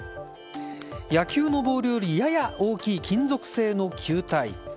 野球のボールよりやや大きい金属製の球体。